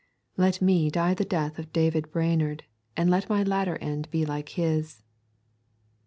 Let me die the death of David Brainerd, and let my latter end be like his!